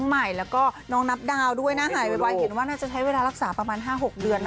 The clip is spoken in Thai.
เห็นว่าน่าจะใช้เวลารักษาประมาณ๕๖เดือน